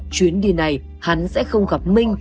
chuyến đi này hắn sẽ không gặp minh